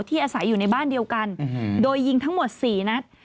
อาศัยอยู่ในบ้านเดียวกันโดยยิงทั้งหมด๔นัด